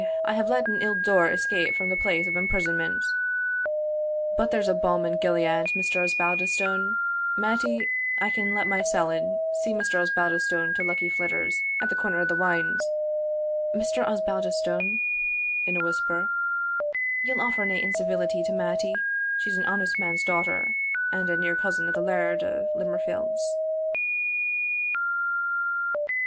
I hae let an ill doer escape from the place of imprisonment But there's balm in Gilead, Mr. Osbaldistone Mattie, I can let mysell in see Mr. Osbaldistone to Luckie Flyter's, at the corner o' the wynd. Mr. Osbaldistone" in a whisper "ye'll offer nae incivility to Mattie she's an honest man's daughter, and a near cousin o' the Laird o' Limmerfield's."